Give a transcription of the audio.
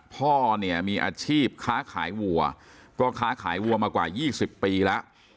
พ่อเนี่ยมีอาชีพค้าขายวัวก็ค้าขายวัวมากว่า๒๐ปีแล้ว